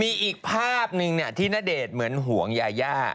มีอีกภาพหนึ่งที่ณเดชน์เหมือนห่วงยายา